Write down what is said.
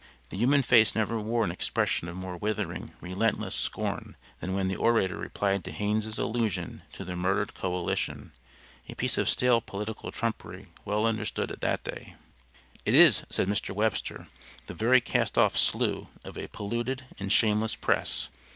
The human face never wore an expression of more withering, relentless scorn than when the orator replied to Hayne's allusion to the "Murdered Coalition" a piece of stale political trumpery well understood at that day. "It is," said Mr. Webster, "the very cast off slough of a polluted and shameless press.